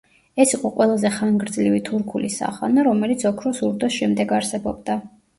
ეს იყო ყველაზე ხანგრძლივი თურქული სახანო, რომელიც ოქროს ურდოს შემდეგ არსებობდა.